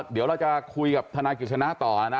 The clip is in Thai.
เดี๋ยวเราจะคุยกับทนายกิจชนะต่อนะ